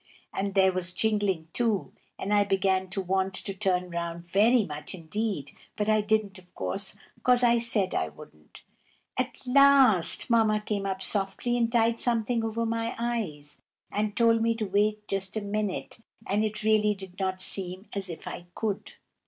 and there was jingling, too, and I began to want to turn round very much indeed; but I didn't, of course, 'cause I said I wouldn't. At last Mamma came up softly and tied something over my eyes, and told me to wait just a minute; and it really did not seem as if I could.